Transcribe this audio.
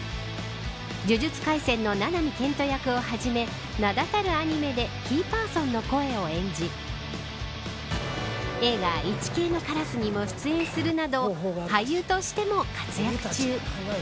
呪術廻戦の七海建人役をはじめ名だたるアニメでキーパーソンの声を演じ映画、イチケイのカラスにも出演するなど俳優としても活躍中。